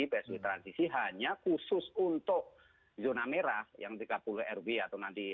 psbb transisi hanya khusus untuk zona merah yang tiga puluh rw atau nanti